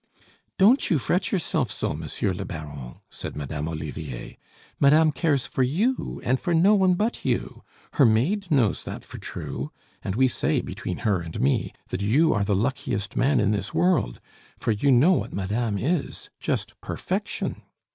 "Don't you fret yourself so, Monsieur le Baron," said Madame Olivier. "Madame cares for you, and for no one but you; her maid knows that for true, and we say, between her and me, that you are the luckiest man in this world for you know what madame is. Just perfection!